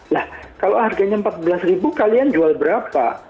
nah kalau harganya rp empat belas kalian jual berapa